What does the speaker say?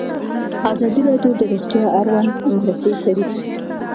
ازادي راډیو د روغتیا اړوند مرکې کړي.